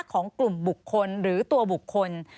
ของกลุ่มบุคคลหรือตัวบุคคล